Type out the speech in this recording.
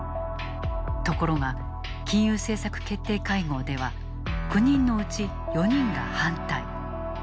ところが金融政策決定会合では９人のうち４人が反対。